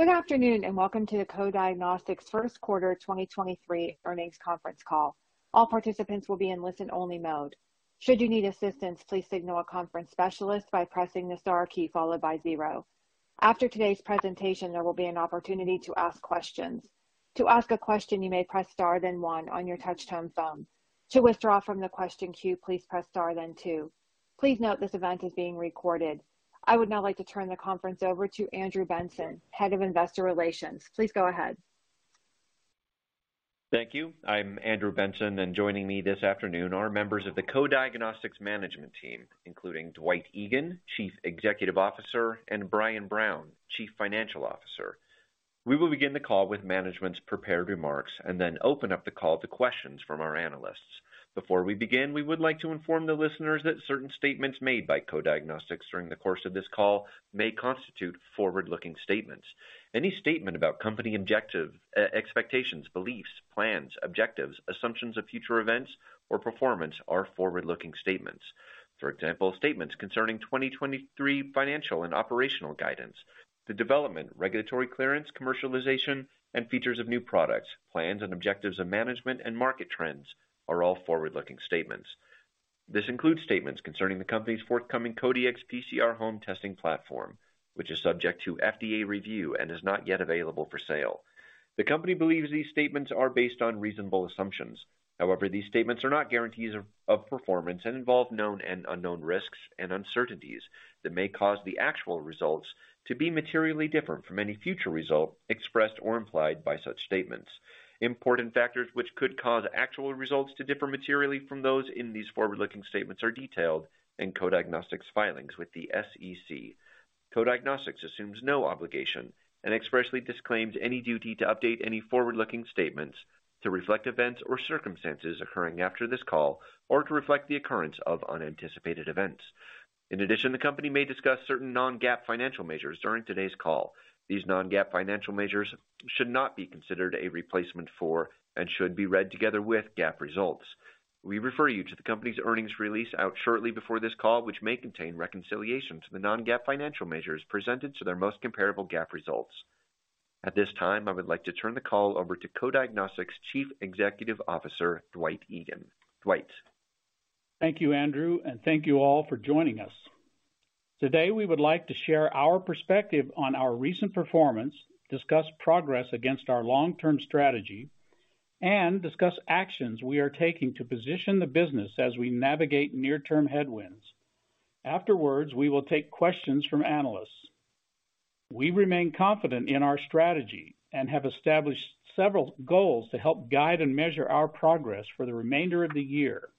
Good afternoon, welcome to the Co-Diagnostics first quarter 2023 earnings conference call. All participants will be in listen-only mode. Should you need assistance, please signal a conference specialist by pressing the star key followed by zero. After today's presentation, there will be an opportunity to ask questions. To ask a question, you may press star then one on your touchtone phone. To withdraw from the question queue, please press star then two. Please note this event is being recorded. I would now like to turn the conference over to Andrew Benson, Head of Investor Relations. Please go ahead. Thank you. I'm Andrew Benson, joining me this afternoon are members of the Co-Diagnostics management team, including Dwight Egan, Chief Executive Officer, and Brian Brown, Chief Financial Officer. We will begin the call with management's prepared remarks and then open up the call to questions from our analysts. Before we begin, we would like to inform the listeners that certain statements made by Co-Diagnostics during the course of this call may constitute forward-looking statements. Any statement about company objective, expectations, beliefs, plans, objectives, assumptions of future events or performance are forward-looking statements. For example, statements concerning 2023 financial and operational guidance, the development, regulatory clearance, commercialization, and features of new products, plans and objectives of management and market trends are all forward-looking statements. This includes statements concerning the company's forthcoming Co-Dx PCR Home testing platform, which is subject to FDA review and is not yet available for sale. The company believes these statements are based on reasonable assumptions. These statements are not guarantees of performance and involve known and unknown risks and uncertainties that may cause the actual results to be materially different from any future result expressed or implied by such statements. Important factors which could cause actual results to differ materially from those in these forward-looking statements are detailed in Co-Diagnostics filings with the SEC. Co-Diagnostics assumes no obligation and expressly disclaims any duty to update any forward-looking statements to reflect events or circumstances occurring after this call or to reflect the occurrence of unanticipated events. The company may discuss certain Non-GAAP financial measures during today's call. These Non-GAAP financial measures should not be considered a replacement for and should be read together with GAAP results. We refer you to the company's earnings release out shortly before this call, which may contain reconciliation to the Non-GAAP financial measures presented to their most comparable GAAP results. At this time, I would like to turn the call over to Co-Diagnostics Chief Executive Officer, Dwight Egan. Dwight. Thank you, Andrew, thank you all for joining us. Today, we would like to share our perspective on our recent performance, discuss progress against our long-term strategy, and discuss actions we are taking to position the business as we navigate near-term headwinds. Afterwards, we will take questions from analysts. We remain confident in our strategy and have established several goals to help guide and measure our progress for the remainder of the year.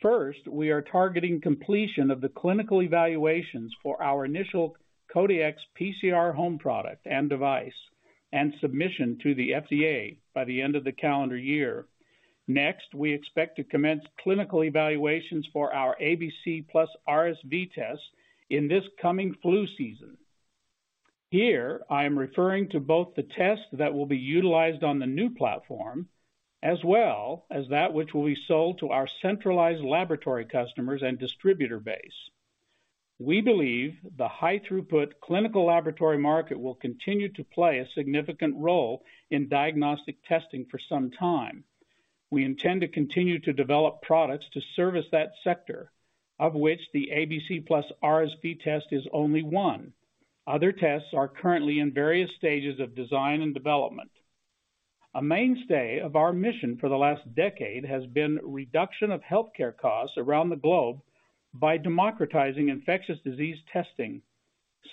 First, we are targeting completion of the clinical evaluations for our initial Co-Dx PCR Home product and device and submission to the FDA by the end of the calendar year. Next, we expect to commence clinical evaluations for our ABC plus RSV test in this coming flu season. Here, I am referring to both the test that will be utilized on the new platform, as well as that which will be sold to our centralized laboratory customers and distributor base. We believe the high throughput clinical laboratory market will continue to play a significant role in diagnostic testing for some time. We intend to continue to develop products to service that sector, of which the ABC plus RSV test is only one. Other tests are currently in various stages of design and development. A mainstay of our mission for the last decade has been reduction of healthcare costs around the globe by democratizing infectious disease testing.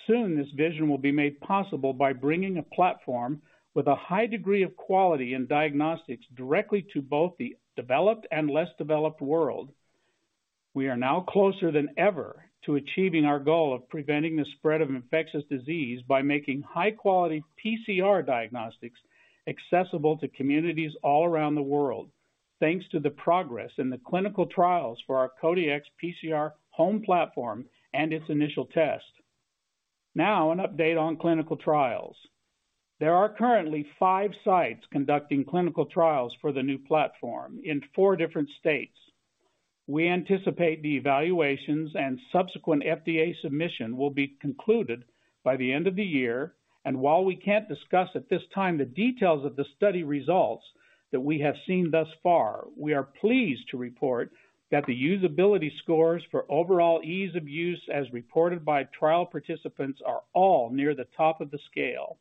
Soon, this vision will be made possible by bringing a platform with a high degree of quality in diagnostics directly to both the developed and less developed world. We are now closer than ever to achieving our goal of preventing the spread of infectious disease by making high-quality PCR diagnostics accessible to communities all around the world, thanks to the progress in the clinical trials for our Co-Dx PCR Home platform and its initial test. An update on clinical trials. There are currently five sites conducting clinical trials for the new platform in four different states. We anticipate the evaluations and subsequent FDA submission will be concluded by the end of the year, and while we can't discuss at this time the details of the study results that we have seen thus far, we are pleased to report that the usability scores for overall ease of use as reported by trial participants are all near the top of the scale.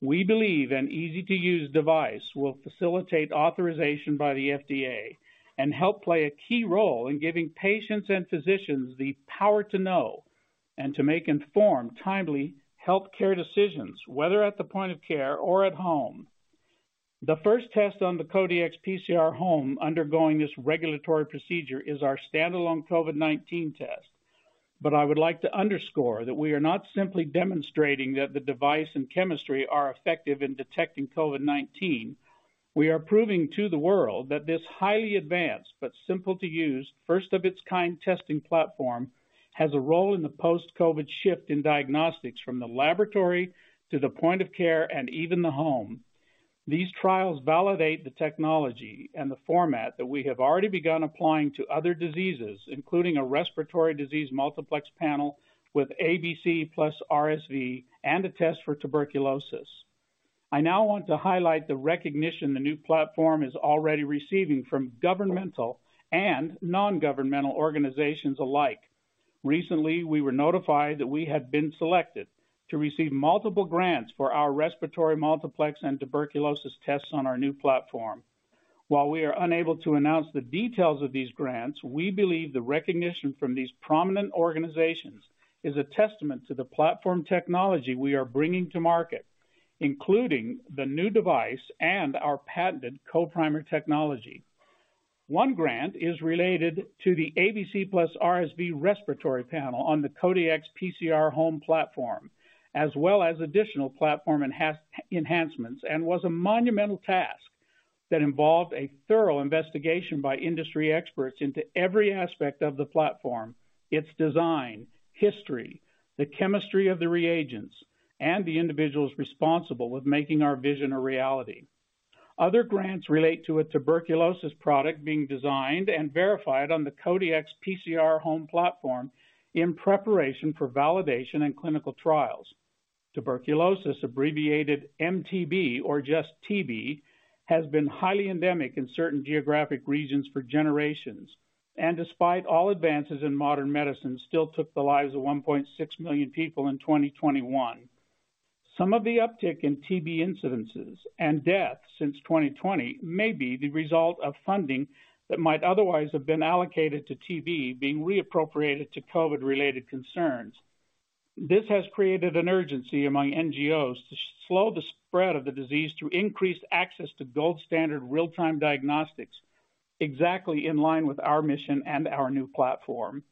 We believe an easy-to-use device will facilitate authorization by the FDA and help play a key role in giving patients and physicians the power to know and to make informed, timely healthcare decisions, whether at the point of care or at home. The first test on the Co-Dx's PCR Home undergoing this regulatory procedure is our standalone COVID-19 test. I would like to underscore that we are not simply demonstrating that the device and chemistry are effective in detecting COVID-19. We are proving to the world that this highly advanced but simple to use, first of its kind testing platform has a role in the post-COVID shift in diagnostics from the laboratory to the point of care and even the home. These trials validate the technology and the format that we have already begun applying to other diseases, including a respiratory disease multiplex panel with ABC plus RSV and a test for tuberculosis. I now want to highlight the recognition the new platform is already receiving from governmental and non-governmental organizations alike. Recently, we were notified that we had been selected to receive multiple grants for our respiratory multiplex and tuberculosis tests on our new platform. While we are unable to announce the details of these grants, we believe the recognition from these prominent organizations is a testament to the platform technology we are bringing to market, including the new device and our patented Co-Primer technology. One grant is related to the ABC Plus RSV respiratory panel on the Co-Dx PCR Home platform, as well as additional platform enhancements, and was a monumental task that involved a thorough investigation by industry experts into every aspect of the platform, its design, history, the chemistry of the reagents, and the individuals responsible with making our vision a reality. Other grants relate to a tuberculosis product being designed and verified on the Co-Dx PCR Home platform in preparation for validation and clinical trials. Tuberculosis, abbreviated MTB or just TB, has been highly endemic in certain geographic regions for generations. Despite all advances in modern medicine, still took the lives of $1.6 million people in 2021. Some of the uptick in TB incidences and deaths since 2020 may be the result of funding that might otherwise have been allocated to TB being reappropriated to COVID-related concerns. This has created an urgency among NGOs to slow the spread of the disease through increased access to gold standard real-time diagnostics, exactly in line with our mission and our new platform.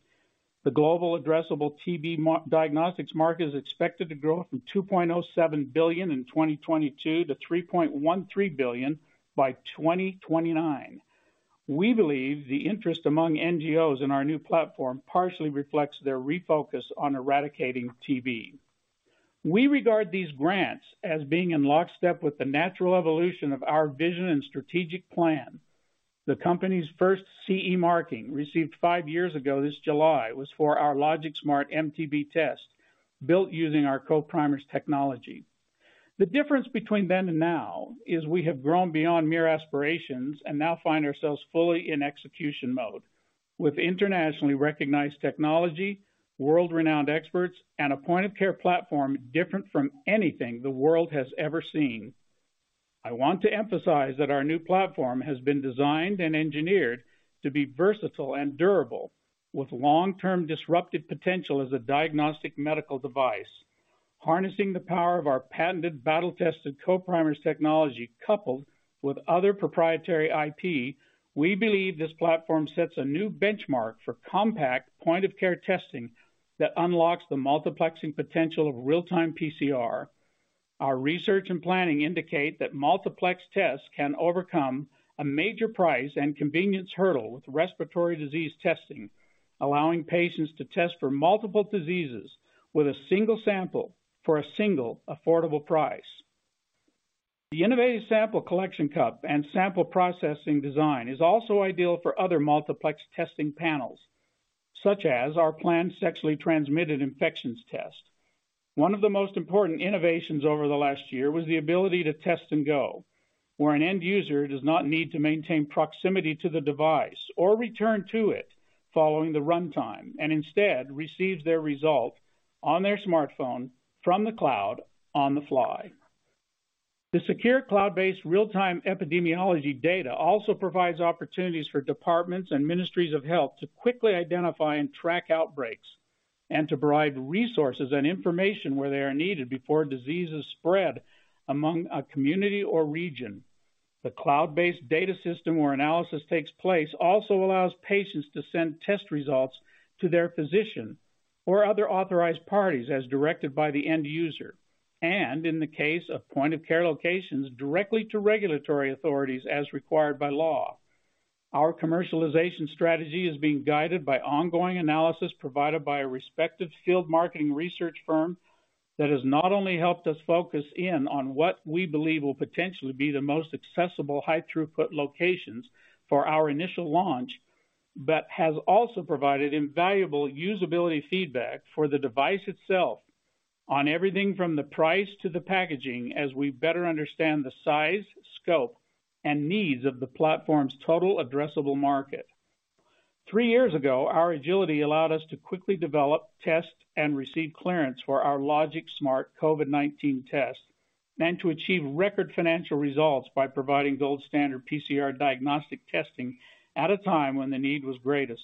The global addressable TB diagnostics market is expected to grow from $2.07 billion in 2022 to $3.13 billion by 2029. We believe the interest among NGOs in our new platform partially reflects their refocus on eradicating TB. We regard these grants as being in lockstep with the natural evolution of our vision and strategic plan. The company's first CE marking, received five years ago this July, was for our Logix Smart MTB test, built using our Co-Primers technology. The difference between then and now is we have grown beyond mere aspirations and now find ourselves fully in execution mode with internationally recognized technology, world-renowned experts, and a point-of-care platform different from anything the world has ever seen. I want to emphasize that our new platform has been designed and engineered to be versatile and durable, with long-term disruptive potential as a diagnostic medical device. Harnessing the power of our patented battle-tested Co-Primers technology, coupled with other proprietary IP, we believe this platform sets a new benchmark for compact point-of-care testing that unlocks the multiplexing potential of real-time PCR. Our research and planning indicate that multiplex tests can overcome a major price and convenience hurdle with respiratory disease testing, allowing patients to test for multiple diseases with a single sample for a single affordable price. The innovative sample collection cup and sample processing design is also ideal for other multiplex testing panels, such as our planned sexually transmitted infections test. One of the most important innovations over the last year was the ability to test and go, where an end user does not need to maintain proximity to the device or return to it following the runtime, and instead receives their result on their smartphone from the cloud on the fly. The secure, cloud-based real-time epidemiology data also provides opportunities for departments and ministries of health to quickly identify and track outbreaks, and to provide resources and information where they are needed before diseases spread among a community or region. The cloud-based data system where analysis takes place also allows patients to send test results to their physician or other authorized parties as directed by the end user, and in the case of point-of-care locations, directly to regulatory authorities as required by law. Our commercialization strategy is being guided by ongoing analysis provided by a respected field marketing research firm that has not only helped us focus in on what we believe will potentially be the most accessible, high throughput locations for our initial launch, but has also provided invaluable usability feedback for the device itself on everything from the price to the packaging as we better understand the size, scope, and needs of the platform's total addressable market. Three years ago, our agility allowed us to quickly develop, test, and receive clearance for our Logix Smart COVID-19 test and to achieve record financial results by providing gold standard PCR diagnostic testing at a time when the need was greatest.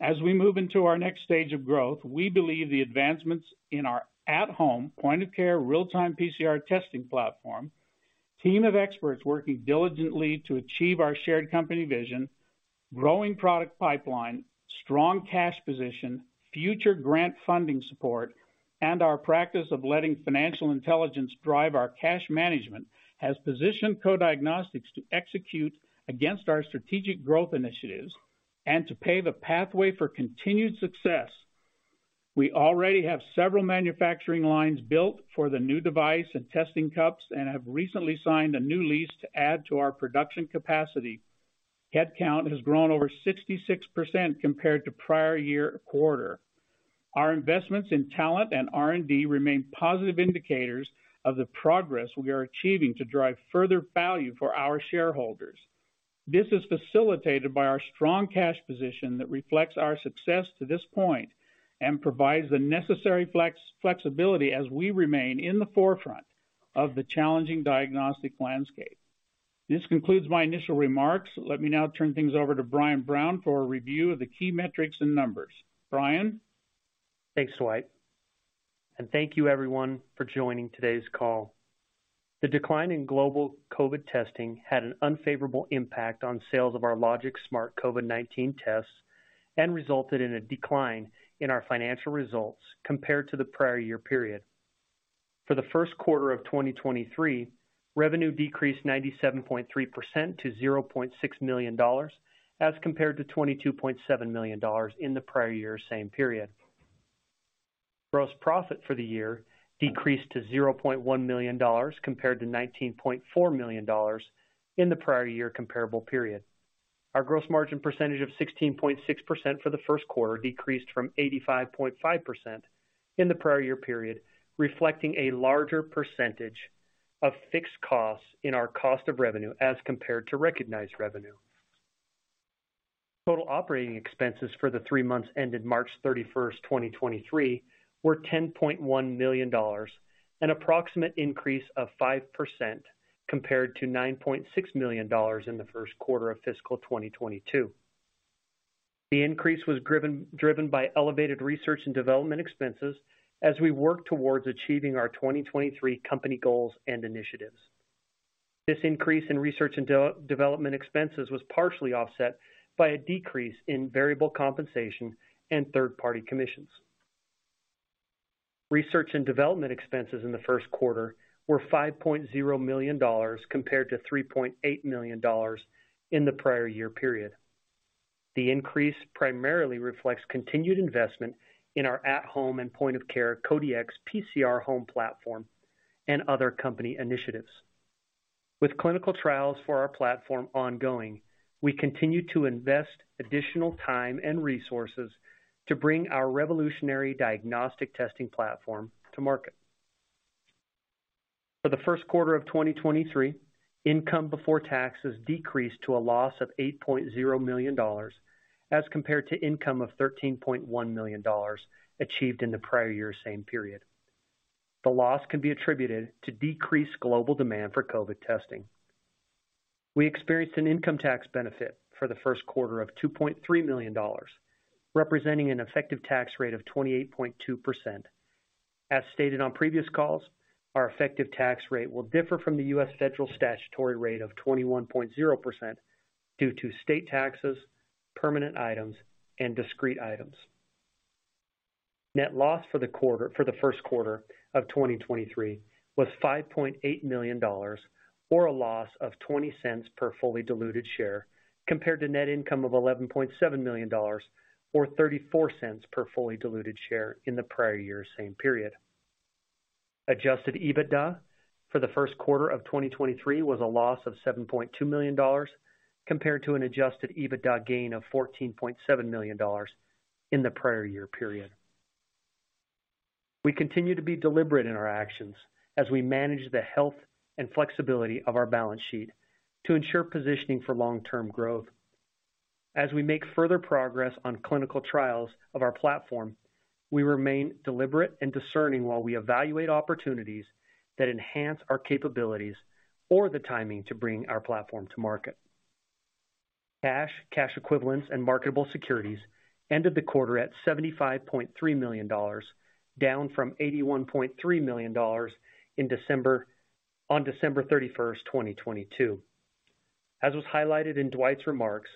As we move into our next stage of growth, we believe the advancements in our at-home point-of-care real-time PCR testing platform, team of experts working diligently to achieve our shared company vision, growing product pipeline, strong cash position, future grant funding support, and our practice of letting financial intelligence drive our cash management, has positioned Co-Diagnostics to execute against our strategic growth initiatives and to pave a pathway for continued success. We already have several manufacturing lines built for the new device and testing cups and have recently signed a new lease to add to our production capacity. Headcount has grown over 66% compared to prior year quarter. Our investments in talent and R&D remain positive indicators of the progress we are achieving to drive further value for our shareholders. This is facilitated by our strong cash position that reflects our success to this point and provides the necessary flexibility as we remain in the forefront of the challenging diagnostic landscape. This concludes my initial remarks. Let me now turn things over to Brian Brown for a review of the key metrics and numbers. Brian? Thanks, Dwight. Thank you everyone for joining today's call. The decline in global COVID testing had an unfavorable impact on sales of our Logix Smart COVID-19 tests and resulted in a decline in our financial results compared to the prior year period. For the first quarter of 2023, revenue decreased 97.3% to $0.6 million, as compared to $22.7 million in the prior year same period. Gross profit for the year decreased to $0.1 million compared to $19.4 million in the prior year comparable period. Our gross margin percentage of 16.6% for the first quarter decreased from 85.5% in the prior year period, reflecting a larger percentage of fixed costs in our cost of revenue as compared to recognized revenue. Total operating expenses for the three months ended March 31st, 2023, were $10.1 million, an approximate increase of 5% compared to $9.6 million in the first quarter of fiscal 2022. The increase was driven by elevated research and development expenses as we work towards achieving our 2023 company goals and initiatives. This increase in research and development expenses was partially offset by a decrease in variable compensation and third-party commissions. Research and development expenses in the first quarter were $5.0 million compared to $3.8 million in the prior year period. The increase primarily reflects continued investment in our at home and point of care Co-Dx PCR Home platform and other company initiatives. With clinical trials for our platform ongoing, we continue to invest additional time and resources to bring our revolutionary diagnostic testing platform to market. For the first quarter of 2023, income before taxes decreased to a loss of $8.0 million as compared to income of $13.1 million achieved in the prior year same period. The loss can be attributed to decreased global demand for COVID testing. We experienced an income tax benefit for the first quarter of $2.3 million, representing an effective tax rate of 28.2%. As stated on previous calls, our effective tax rate will differ from the US federal statutory rate of 21.0% due to state taxes, permanent items, and discrete items. Net loss for the first quarter of 2023 was $5.8 million, or a loss of $0.20 per fully diluted share, compared to net income of $11.7 million, or $0.34 per fully diluted share in the prior year same period. Adjusted EBITDA for the first quarter of 2023 was a loss of $7.2 million, compared to an adjusted EBITDA gain of $14.7 million in the prior year period. We continue to be deliberate in our actions as we manage the health and flexibility of our balance sheet to ensure positioning for long-term growth. As we make further progress on clinical trials of our platform, we remain deliberate and discerning while we evaluate opportunities that enhance our capabilities or the timing to bring our platform to market. Cash, cash equivalents, and marketable securities ended the quarter at $75.3 million, down from $81.3 million on December 31st, 2022. As was highlighted in Dwight's remarks,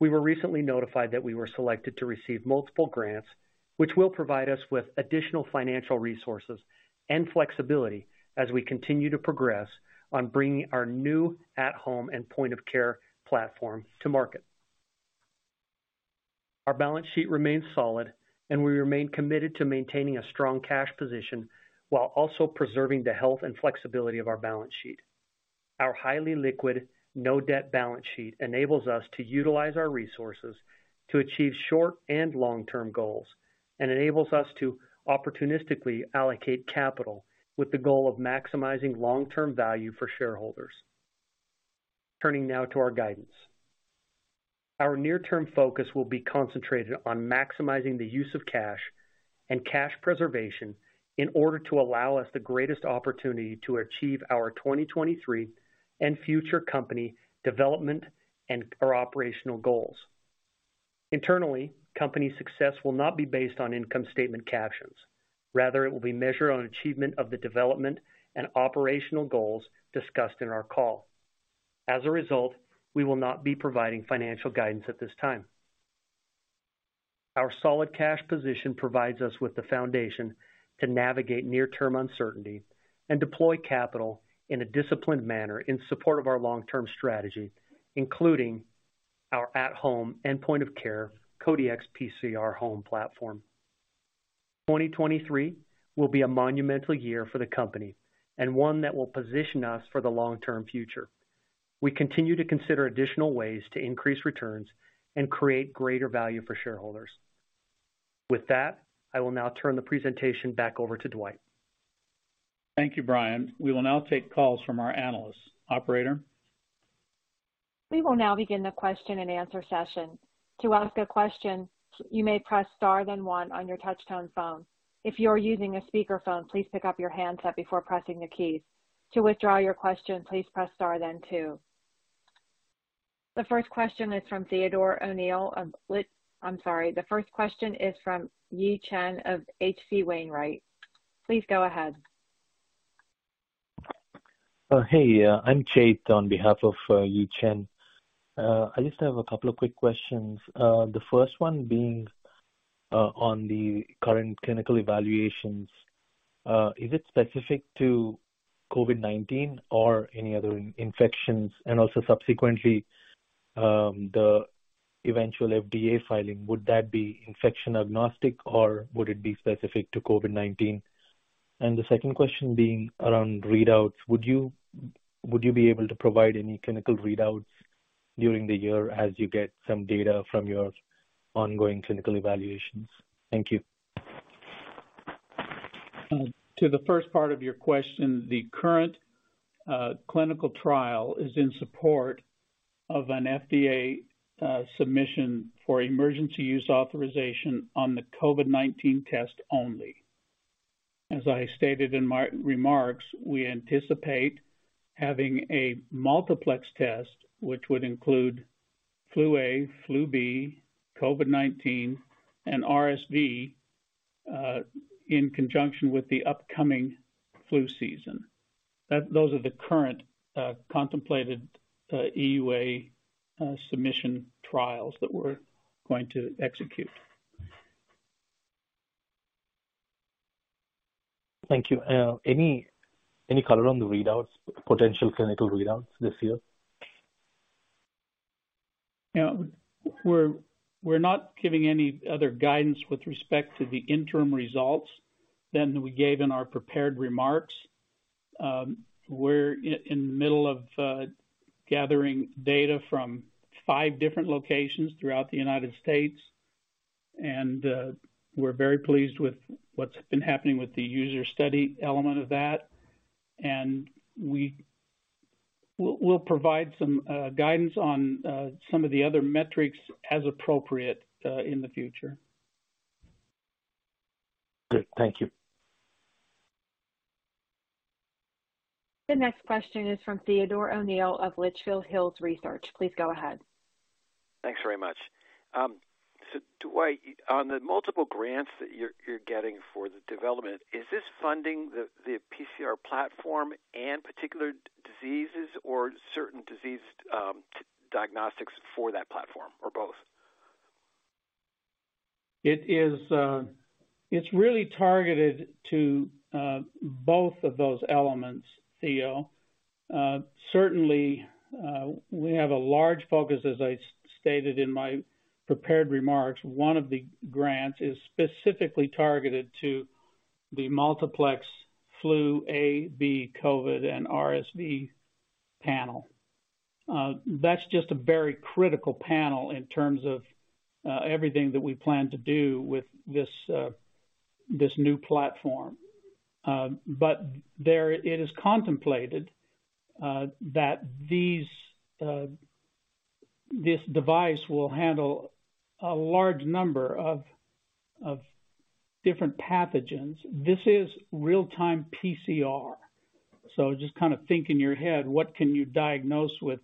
we were recently notified that we were selected to receive multiple grants which will provide us with additional financial resources and flexibility as we continue to progress on bringing our new at home and point of care platform to market. Our balance sheet remains solid, and we remain committed to maintaining a strong cash position while also preserving the health and flexibility of our balance sheet. Our highly liquid, no debt balance sheet enables us to utilize our resources to achieve short and long-term goals and enables us to opportunistically allocate capital with the goal of maximizing long-term value for shareholders. Turning now to our guidance. Our near-term focus will be concentrated on maximizing the use of cash and cash preservation in order to allow us the greatest opportunity to achieve our 2023 and future company development and our operational goals. Internally, company success will not be based on income statement captions. Rather, it will be measured on achievement of the development and operational goals discussed in our call. As a result, we will not be providing financial guidance at this time. Our solid cash position provides us with the foundation to navigate near-term uncertainty and deploy capital in a disciplined manner in support of our long-term strategy, including our at-home and point-of-care Co-Dx PCR Home platform. 2023 will be a monumental year for the company and one that will position us for the long-term future. We continue to consider additional ways to increase returns and create greater value for shareholders. With that, I will now turn the presentation back over to Dwight. Thank you, Brian. We will now take calls from our analysts. Operator. We will now begin the question and answer session. To ask a question, you may press star then one on your touchtone phone. If you are using a speakerphone, please pick up your handset before pressing the keys. To withdraw your question, please press star then two. The first question is from Theodore O'Neill. I'm sorry. The first question is from Yi Chen of H.C. Wainwright. Please go ahead. Hey, I'm Chait on behalf of Yi Chen. I just have a couple of quick questions. The first one being on the current clinical evaluations, is it specific to COVID-19 or any other in-infections? Also subsequently, the eventual FDA filing, would that be infection agnostic or would it be specific to COVID-19? The second question being around readouts. Would you be able to provide any clinical readouts during the year as you get some data from your ongoing clinical evaluations? Thank you. To the first part of your question, the current clinical trial is in support of an FDA submission for Emergency Use Authorization on the COVID-19 test only. As I stated in my remarks, we anticipate having a multiplex test, which would include flu A, flu B, COVID-19, and RSV, in conjunction with the upcoming flu season. Those are the current contemplated EUA submission trials that we're going to execute. Thank you. Any, any color on the readouts, potential clinical readouts this year? You know, we're not giving any other guidance with respect to the interim results than we gave in our prepared remarks. We're in the middle of gathering data from five different locations throughout the United States, and we're very pleased with what's been happening with the user study element of that. We'll provide some guidance on some of the other metrics as appropriate in the future. Good. Thank you. The next question is from Theodore O'Neill of Litchfield Hills Research. Please go ahead. Thanks very much. Dwight, on the multiple grants that you're getting for the development, is this funding the PCR platform and particular diseases or certain disease diagnostics for that platform, or both? It is, it's really targeted to both of those elements, Theo. Certainly, we have a large focus, as I stated in my prepared remarks, one of the grants is specifically targeted to the multiplex Flu A, B, COVID, and RSV panel. That's just a very critical panel in terms of everything that we plan to do with this new platform. But there it is contemplated that these, this device will handle a large number of different pathogens. This is real-time PCR. Just kind of think in your head, what can you diagnose with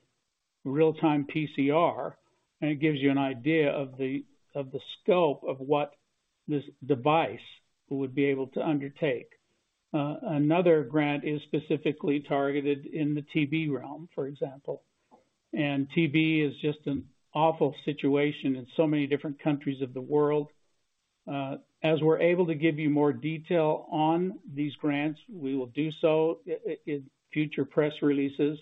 real-time PCR, and it gives you an idea of the scope of what this device would be able to undertake. Another grant is specifically targeted in the TB realm, for example. TB is just an awful situation in so many different countries of the world. As we're able to give you more detail on these grants, we will do so in future press releases.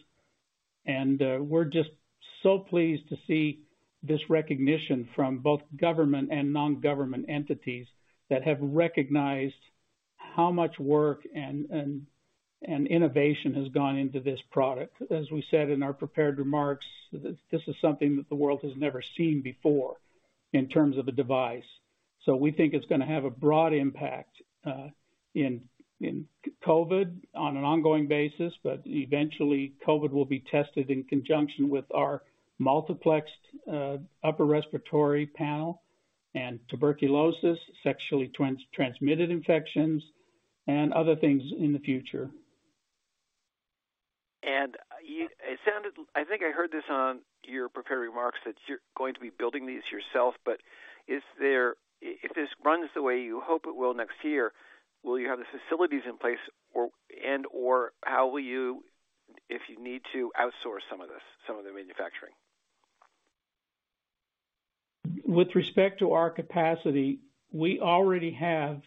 We're just so pleased to see this recognition from both government and non-government entities that have recognized how much work and innovation has gone into this product. As we said in our prepared remarks, this is something that the world has never seen before in terms of a device. We think it's gonna have a broad impact in COVID on an ongoing basis, but eventually COVID will be tested in conjunction with our multiplexed upper respiratory panel and tuberculosis, sexually transmitted infections, and other things in the future. It sounded, I think I heard this on your prepared remarks that you're going to be building these yourself, but is there, if this runs the way you hope it will next year, will you have the facilities in place or and/or how will you, if you need to outsource some of this, some of the manufacturing? With respect to our capacity, we already have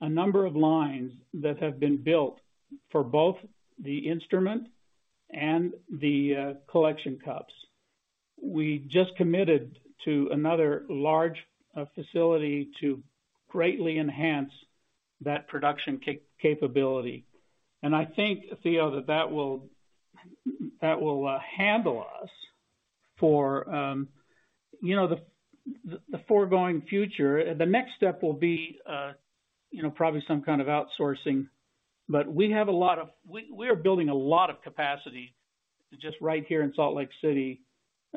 a number of lines that have been built for both the instrument and the collection cups. We just committed to another large facility to greatly enhance that production capability. I think, Theo, that will handle us for, you know, the foregoing future. The next step will be, you know, probably some kind of outsourcing. We are building a lot of capacity just right here in Salt Lake City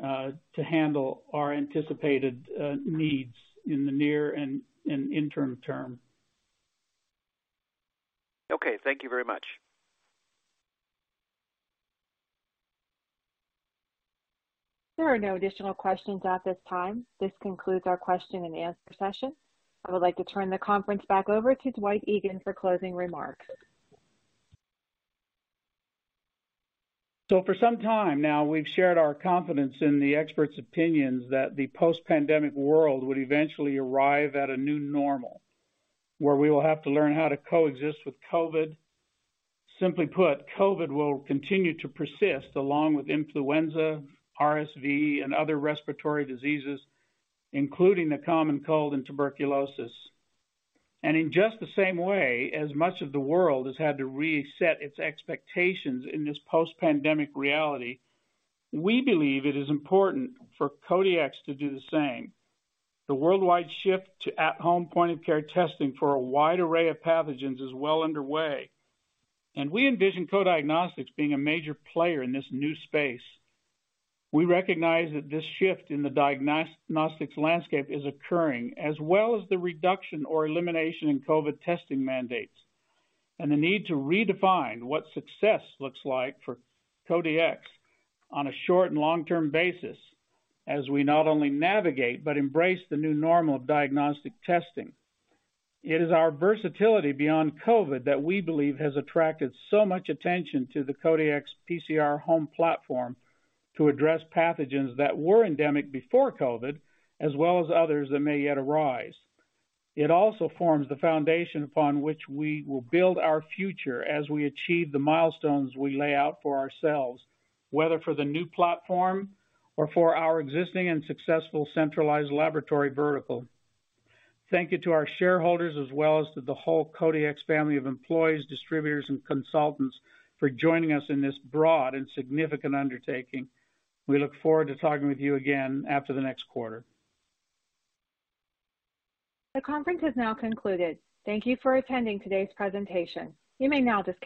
to handle our anticipated needs in the near and interim term. Okay, thank you very much. There are no additional questions at this time. This concludes our question and answer session. I would like to turn the conference back over to Dwight Egan for closing remarks. For some time now, we've shared our confidence in the experts' opinions that the post-pandemic world would eventually arrive at a new normal, where we will have to learn how to coexist with COVID. Simply put, COVID will continue to persist along with influenza, RSV, and other respiratory diseases, including the common cold and tuberculosis. In just the same way, as much of the world has had to reset its expectations in this post-pandemic reality, we believe it is important for Co-Diagnostics to do the same. The worldwide shift to at home point-of-care testing for a wide array of pathogens is well underway. We envision Co-Diagnostics being a major player in this new space. We recognize that this shift in the diagnostics landscape is occurring, as well as the reduction or elimination in COVID testing mandates, and the need to redefine what success looks like for Co-Diagnostics on a short and long-term basis as we not only navigate but embrace the new normal of diagnostic testing. It is our versatility beyond COVID that we believe has attracted so much attention to the Co-Dx PCR Home platform to address pathogens that were endemic before COVID, as well as others that may yet arise. It also forms the foundation upon which we will build our future as we achieve the milestones we lay out for ourselves, whether for the new platform or for our existing and successful centralized laboratory vertical. Thank you to our shareholders as well as to the whole Co-Diagnostics' family of employees, distributors, and consultants for joining us in this broad and significant undertaking. We look forward to talking with you again after the next quarter. The conference has now concluded. Thank you for attending today's presentation. You may now disconnect.